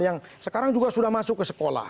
yang sekarang juga sudah masuk ke sekolah